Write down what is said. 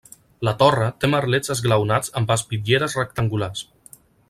La torre té merlets esglaonats amb espitlleres rectangulars.